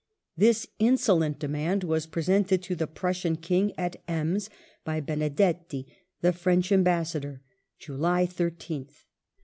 This insolent demand was presented to the Piiissian King at Ems by Benedetti the French Ambassador (July 13th).